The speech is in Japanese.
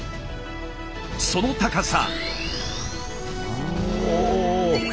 その高さ。